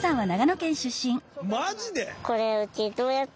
マジで！？